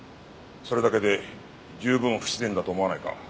それだけで十分不自然だと思わないか？